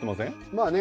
まあね。